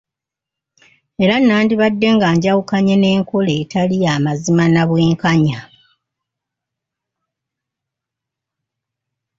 Era nandibadde nga njawukanye n’enkola etali y'amazima na bwenkanya.